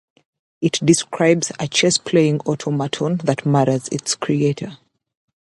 It describes a chess-playing automaton that murders its creator.